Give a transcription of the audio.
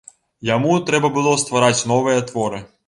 Яму трэба было ствараць новыя творы.